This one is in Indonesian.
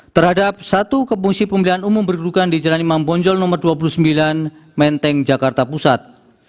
terhadap satu kepungsi pemilihan umum berkudukan di jalan imambonjol no dua puluh sembilan menteng jakarta pusat